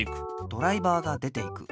ドライバーが出ていく。